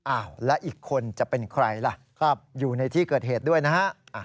อ้าวแล้วอีกคนจะเป็นใครล่ะอยู่ในที่เกิดเหตุด้วยนะฮะ